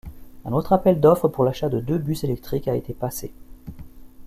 Un autre appel d'offres pour l'achat de deux bus électriques a été passé.